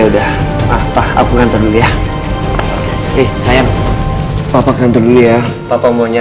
sampai jumpa di video selanjutnya